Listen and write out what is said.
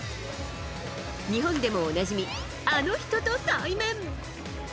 日本でもおなじみ、あの人と対面。